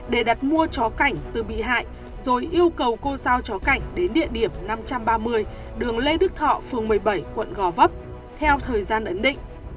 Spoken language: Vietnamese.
để đặt mua chó cảnh từ bị hại rồi yêu cầu cô giao chó cảnh đến địa điểm năm trăm ba mươi đường lê đức thọ phường một mươi bảy quận gò vấp theo thời gian ấn định